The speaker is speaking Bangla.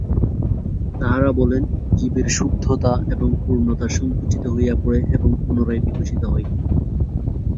তাঁহারা বলেন, জীবের শুদ্ধতা এবং পূর্ণতা সঙ্কুচিত হইয়া পড়ে এবং পুনরায় বিকশিত হয়।